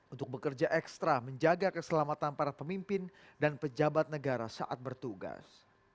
untuk bekerja ekstra menjaga keselamatan para pemimpin dan pejabat negara saat bertugas